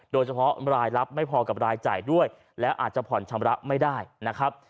โดยเฉพาะรายรับไม่พอกับรายจ่ายด้วยและอาจจะผ่อนชำระไม่ได้นะครับ